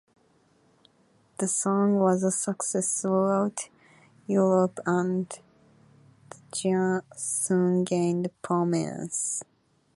The song was a success throughout Europe and the genre soon gained prominence.